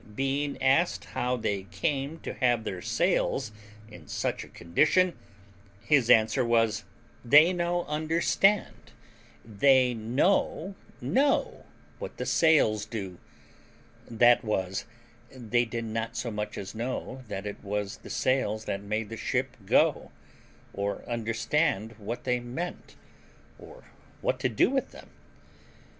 Being asked how they came to have their sails in such a condition, his answer was, "They no understand; they no know what the sails do;" that was, they did not so much as know that it was the sails that made the ship go, or understand what they meant, or what to do with them.